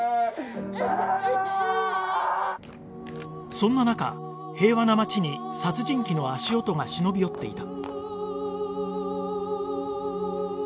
そんな中平和な町に殺人鬼の足音が忍び寄っていた